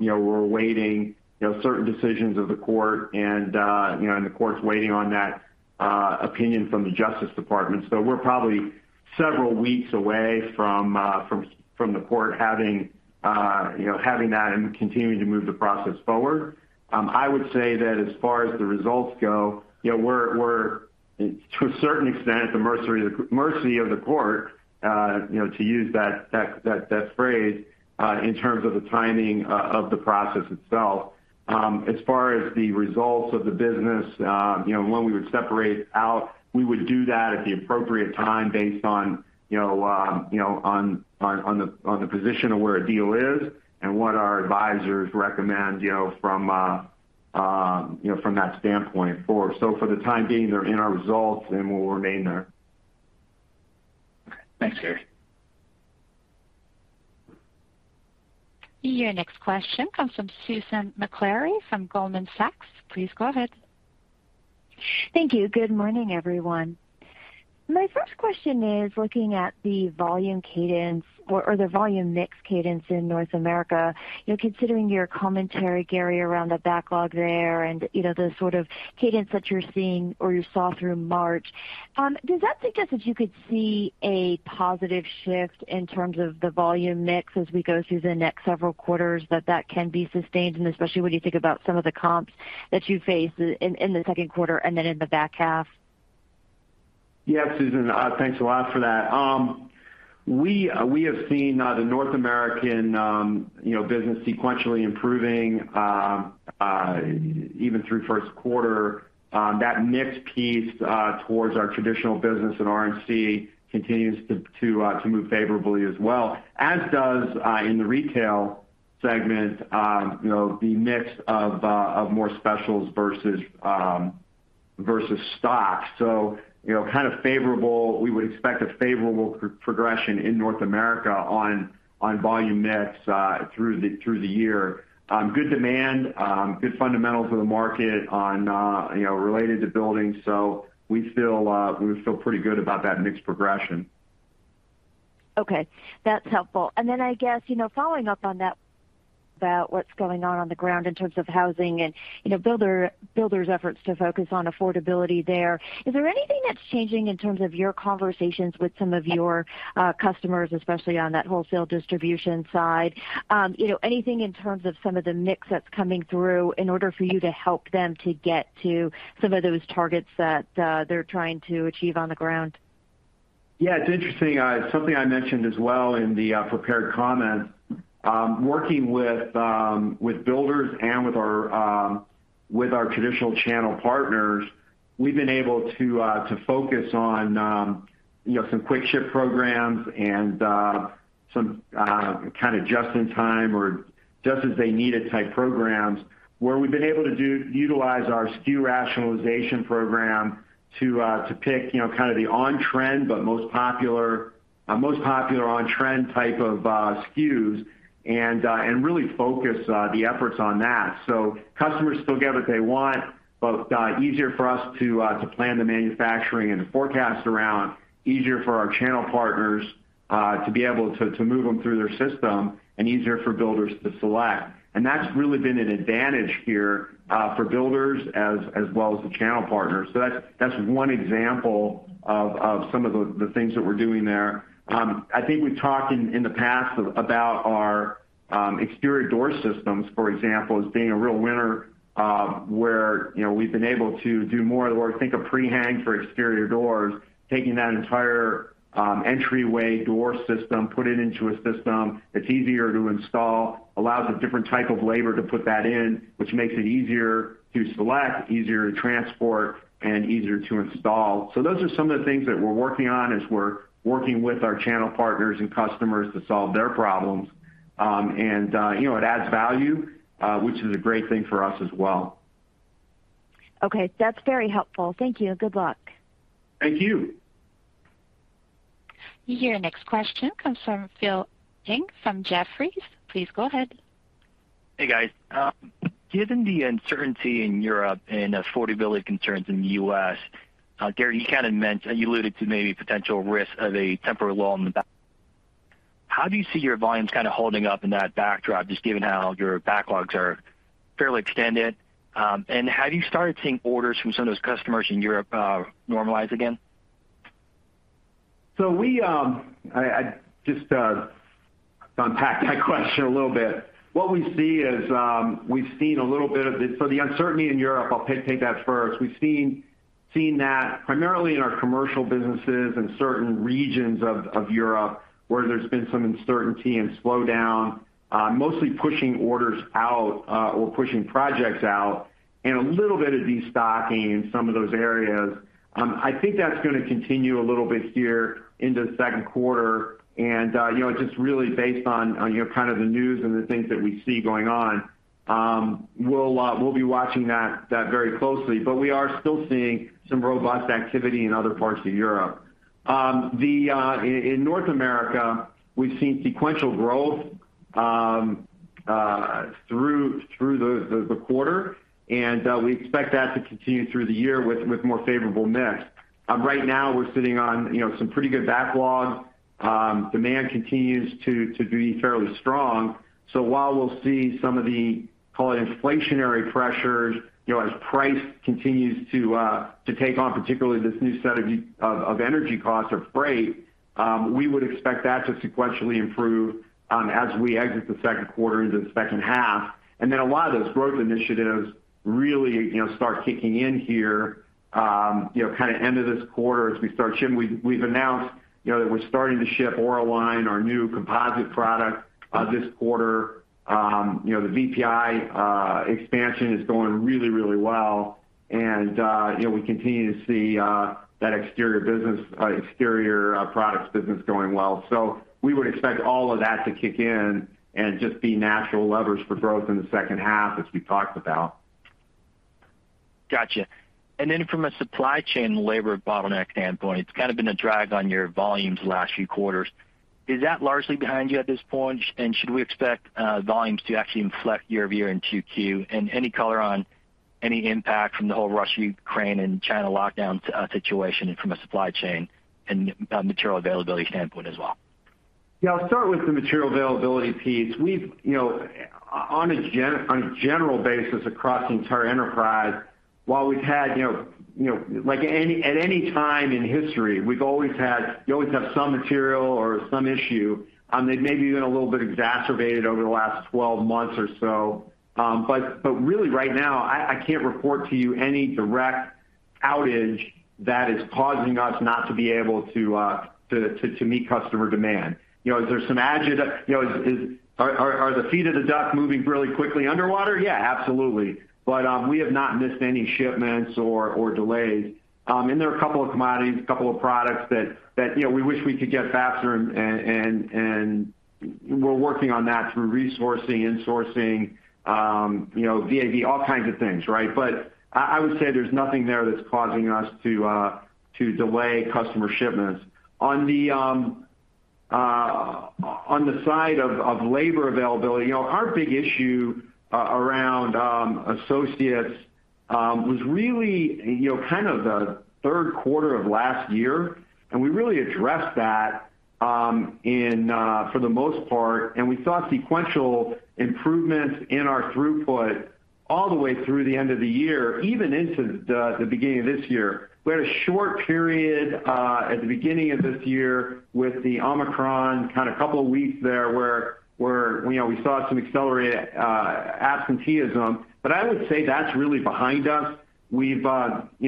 you know, we're waiting, you know, certain decisions of the court and the court's waiting on that opinion from the Justice Department. We're probably several weeks away from the court having that and continuing to move the process forward. I would say that as far as the results go, you know, we're, to a certain extent, at the mercy of the court, you know, to use that phrase, in terms of the timing of the process itself. As far as the results of the business, you know, when we would separate out, we would do that at the appropriate time based on, you know, on the position of where a deal is and what our advisors recommend, you know, from that standpoint. For the time being, they're in our results, and will remain there. Okay. Thanks, Gary. Your next question comes from Susan Maklari from Goldman Sachs. Please go ahead. Thank you. Good morning, everyone. My first question is looking at the volume cadence or the volume mix cadence in North America. You know, considering your commentary, Gary, around the backlog there and, you know, the sort of cadence that you're seeing or you saw through March. Does that suggest that you could see a positive shift in terms of the volume mix as we go through the next several quarters, that can be sustained, and especially when you think about some of the comps that you face in the second quarter and then in the back half? Yeah, Susan, thanks a lot for that. We have seen the North American you know business sequentially improving even through first quarter. That mix piece towards our traditional business in RNC continues to move favorably as well, as does in the retail segment you know the mix of more specials versus stock. You know, kind of favorable. We would expect a favorable progression in North America on volume mix through the year. Good demand good fundamentals for the market on you know related to building. So we feel pretty good about that mix progression. Okay, that's helpful. I guess, you know, following up on that, about what's going on on the ground in terms of housing and, you know, builder's efforts to focus on affordability there. Is there anything that's changing in terms of your conversations with some of your customers, especially on that wholesale distribution side? You know, anything in terms of some of the mix that's coming through in order for you to help them to get to some of those targets that they're trying to achieve on the ground? Yeah, it's interesting. It's something I mentioned as well in the prepared comments. Working with builders and with our traditional channel partners, we've been able to focus on you know, some quick ship programs and some kind of just-in-time or just-as-they-need-it type programs where we've been able to utilize our SKU rationalization program to pick, you know, kind of the on-trend but most popular on-trend type of SKUs and really focus the efforts on that. So customers still get what they want, but easier for us to plan the manufacturing and to forecast around, easier for our channel partners to be able to move them through their system and easier for builders to select. That's really been an advantage here for builders as well as the channel partners. That's one example of some of the things that we're doing there. I think we've talked in the past about our exterior door systems, for example, as being a real winner, where you know, we've been able to do more of the work. Think of pre-hang for exterior doors, taking that entire entryway door system, put it into a system that's easier to install, allows a different type of labor to put that in, which makes it easier to select, easier to transport, and easier to install. Those are some of the things that we're working on as we're working with our channel partners and customers to solve their problems. You know, it adds value, which is a great thing for us as well. Okay, that's very helpful. Thank you and good luck. Thank you. Your next question comes from Philip Ng from Jefferies. Please go ahead. Hey, guys. Given the uncertainty in Europe and affordability concerns in the U.S., Gary, you kind of alluded to maybe potential risk of a temporary lull in the backlog. How do you see your volumes kind of holding up in that backdrop, just given how your backlogs are fairly extended? Have you started seeing orders from some of those customers in Europe normalize again? I just unpack that question a little bit. What we see is, we've seen a little bit of it. The uncertainty in Europe, I'll take that first. We've seen that primarily in our commercial businesses in certain regions of Europe, where there's been some uncertainty and slowdown, mostly pushing orders out, or pushing projects out and a little bit of destocking in some of those areas. I think that's gonna continue a little bit here into the second quarter. You know, just really based on, you know, kind of the news and the things that we see going on, we'll be watching that very closely. But we are still seeing some robust activity in other parts of Europe. In North America, we've seen sequential growth through the quarter, and we expect that to continue through the year with more favorable mix. Right now we're sitting on, you know, some pretty good backlog. Demand continues to be fairly strong. While we'll see some of the, call it inflationary pressures, you know, as price continues to take on particularly this new set of energy costs or freight, we would expect that to sequentially improve as we exit the second quarter into the second half. A lot of those growth initiatives really, you know, start kicking in here, you know, kind of end of this quarter as we start shipping. We've announced, you know, that we're starting to ship Auraline, our new composite product, this quarter. You know, the VPI expansion is going really well. You know, we continue to see that exterior products business going well. We would expect all of that to kick in and just be natural levers for growth in the second half as we talked about. Gotcha. From a supply chain labor bottleneck standpoint, it's kind of been a drag on your volumes the last few quarters. Is that largely behind you at this point? Should we expect volumes to actually inflect year-over-year in Q2? Any color on any impact from the whole Russia, Ukraine and China lockdowns situation from a supply chain and material availability standpoint as well? Yeah, I'll start with the material availability piece. We've on a general basis across the entire enterprise, while we've had at any time in history, you always have some material or some issue that maybe even a little bit exacerbated over the last 12 months or so. Really right now, I can't report to you any direct outage that is causing us not to be able to meet customer demand. You know, is there some agita? Are the feet of the duck moving really quickly underwater? Yeah, absolutely. We have not missed any shipments or delays. There are a couple of commodities, a couple of products that you know we wish we could get faster and we're working on that through resourcing, insourcing, you know, VAVE, all kinds of things, right? I would say there's nothing there that's causing us to delay customer shipments. On the side of labor availability, you know, our big issue around associates was really you know kind of the third quarter of last year, and we really addressed that for the most part. We saw sequential improvements in our throughput all the way through the end of the year, even into the beginning of this year. We had a short period at the beginning of this year with the Omicron, kind of couple of weeks there where you know we saw some accelerated absenteeism. I would say that's really behind us. We've you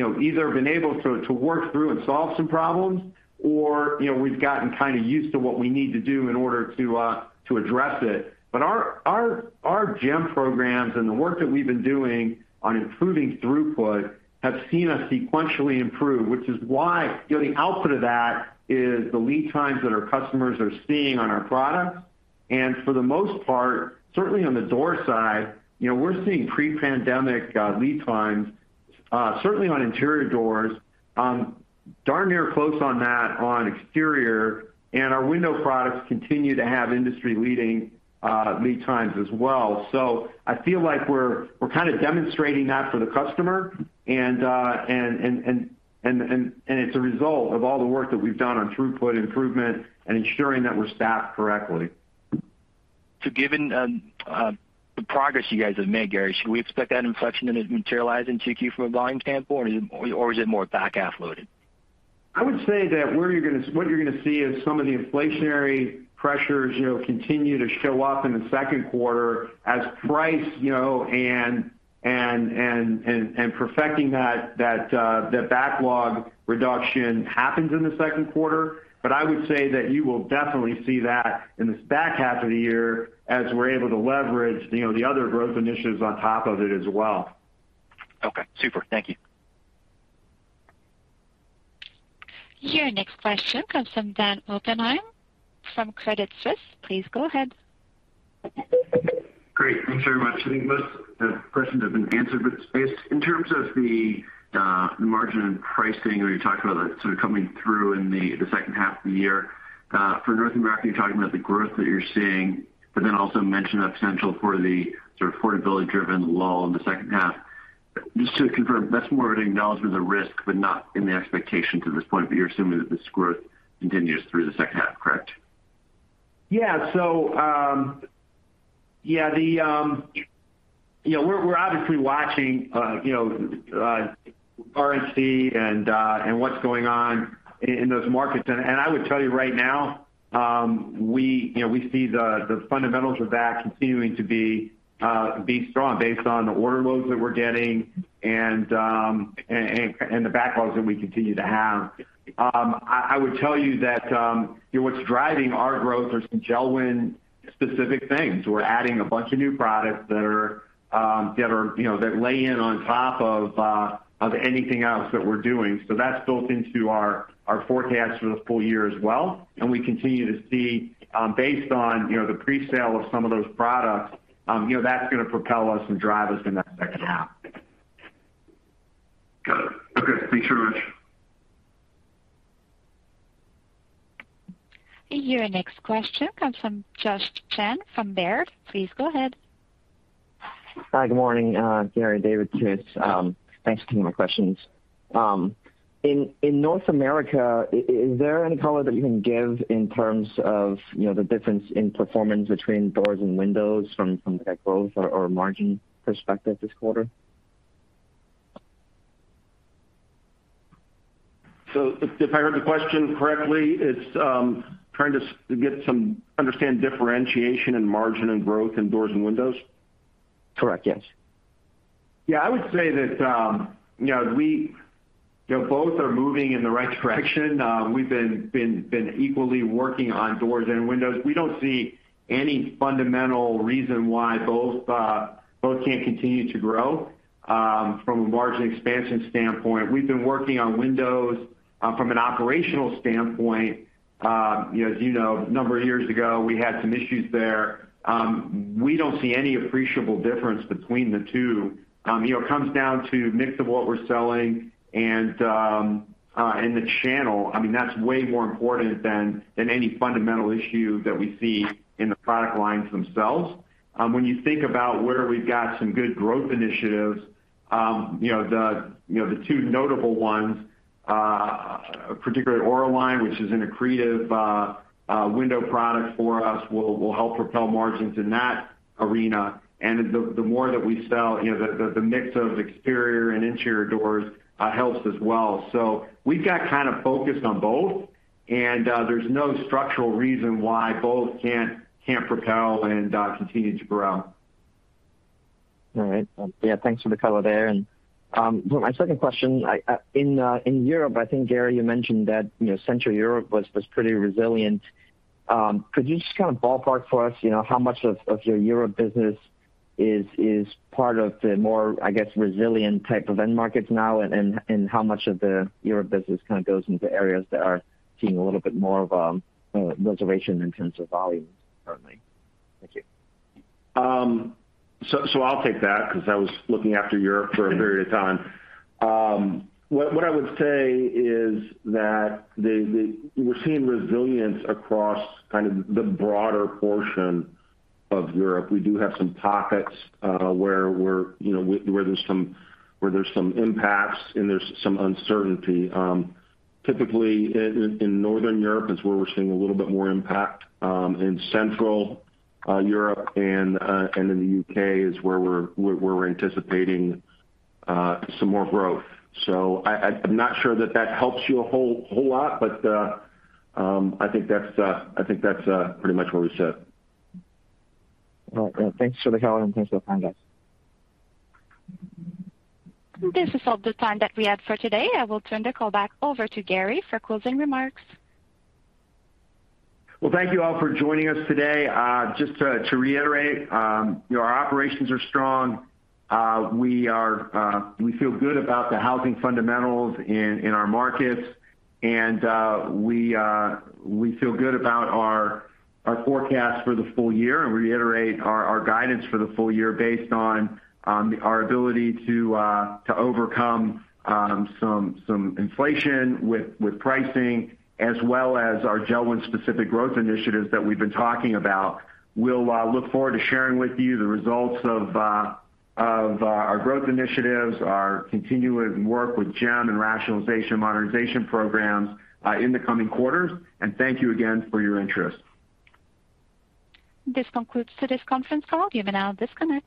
know either been able to work through and solve some problems or you know we've gotten kind of used to what we need to do in order to address it. Our JEM programs and the work that we've been doing on improving throughput have seen us sequentially improve, which is why you know the output of that is the lead times that our customers are seeing on our products. For the most part, certainly on the door side, you know, we're seeing pre-pandemic lead times certainly on interior doors. Darn near close on that on exterior, and our window products continue to have industry-leading lead times as well. I feel like we're kinda demonstrating that for the customer, and it's a result of all the work that we've done on throughput improvement and ensuring that we're staffed correctly. Given the progress you guys have made, Gary, should we expect that inflection in it materializing 2Q from a volume standpoint or is it more back-half loaded? I would say that what you're gonna see is some of the inflationary pressures, you know, continue to show up in the second quarter as pricing, you know, and perfecting that backlog reduction happens in the second quarter. I would say that you will definitely see that in this back half of the year as we're able to leverage, you know, the other growth initiatives on top of it as well. Okay. Super. Thank you. Your next question comes from Dan Oppenheim from Credit Suisse. Please go ahead. Great. Thanks very much. I think most of the questions have been answered. Just based in terms of the margin and pricing where you talked about that sort of coming through in the second half of the year. For North America, you're talking about the growth that you're seeing, but then also mentioned that potential for the sort of affordability-driven lull in the second half. Just to confirm, that's more of an acknowledgement of the risk but not in the expectation to this point, but you're assuming that this growth continues through the second half, correct? Yeah. Yeah, you know, we're obviously watching you know, RNC and what's going on in those markets. I would tell you right now, we you know we see the fundamentals of that continuing to be strong based on the order loads that we're getting and the backlogs that we continue to have. I would tell you that, you know, what's driving our growth are some JELD-WEN specific things. We're adding a bunch of new products that are, you know, that layer on top of anything else that we're doing. That's built into our forecast for the full year as well. We continue to see, based on, you know, the presale of some of those products, you know, that's gonna propel us and drive us in that second half. Got it. Okay, thanks very much. Your next question comes from Josh Chan from Baird. Please go ahead. Hi, good morning, Gary and David. Thanks for taking my questions. In North America, is there any color that you can give in terms of, you know, the difference in performance between doors and windows from like growth or margin perspective this quarter? If I heard the question correctly, it's trying to understand differentiation in margin and growth in doors and windows? Correct, yes. Yeah, I would say that, you know, we, you know, both are moving in the right direction. We've been equally working on doors and windows. We don't see any fundamental reason why both can't continue to grow from a margin expansion standpoint. We've been working on windows from an operational standpoint. You know, as you know, a number of years ago, we had some issues there. We don't see any appreciable difference between the two. You know, it comes down to mix of what we're selling and the channel. I mean, that's way more important than any fundamental issue that we see in the product lines themselves. When you think about where we've got some good growth initiatives, you know, the two notable ones, particularly Auraline, which is an accretive window product for us, will help propel margins in that arena. The more that we sell, you know, the mix of exterior and interior doors, helps as well. We've got kinda focused on both, and there's no structural reason why both can't propel and continue to grow. All right. Yeah, thanks for the color there. My second question, in Europe, I think, Gary, you mentioned that, you know, Central Europe was pretty resilient. Could you just kinda ballpark for us, you know, how much of your Europe business is part of the more, I guess, resilient type of end markets now, and how much of the Europe business kinda goes into areas that are seeing a little bit more of reservation in terms of volumes currently? Thank you. I'll take that 'cause I was looking after Europe for a period of time. What I would say is that we're seeing resilience across kind of the broader portion of Europe. We do have some pockets where we're, you know, where there's some impacts and there's some uncertainty. Typically in Northern Europe is where we're seeing a little bit more impact. In Central Europe and in the UK is where we're anticipating some more growth. I'm not sure that helps you a whole lot, but I think that's pretty much what we said. All right. Thanks for the color and thanks for the guidance. This is all the time that we have for today. I will turn the call back over to Gary for closing remarks. Well, thank you all for joining us today. Just to reiterate, you know, our operations are strong. We feel good about the housing fundamentals in our markets. We feel good about our forecast for the full year and reiterate our guidance for the full year based on our ability to overcome some inflation with pricing as well as our JELD-WEN specific growth initiatives that we've been talking about. We'll look forward to sharing with you the results of our growth initiatives, our continuing work with JEM and rationalization/modernization programs in the coming quarters. Thank you again for your interest. This concludes today's conference call. You may now disconnect.